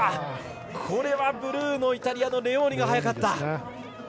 これは、ブルーのイタリアのレオーニが早かった。